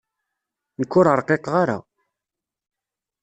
Nekk ur rqiqeɣ ara.